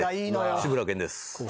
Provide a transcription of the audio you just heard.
志村けんです。